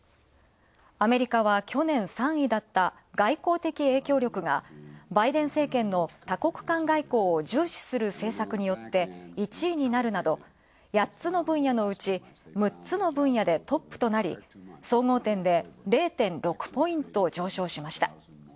アメリカは去年３位だった、外交的影響力が、バイデン政権の多国間外交を重視する政策によって１位になるなど、８つの分野のうち６つの分野でトップとなり、総合点で０．６ポイント上昇しました。